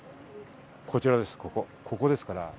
こちらです、ここ、ここですから。